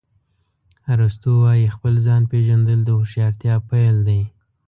ارسطو وایي خپل ځان پېژندل د هوښیارتیا پیل دی.